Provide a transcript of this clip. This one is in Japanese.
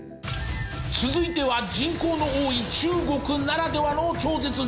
続いては人口の多い中国ならではの超絶技巧！